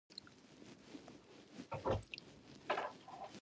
تبه د ناروغۍ نښه ده